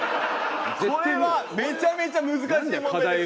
これはめちゃめちゃ難しい問題でした。